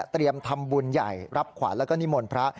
ทำบุญใหญ่รับขวัญแล้วก็นิมนต์พระ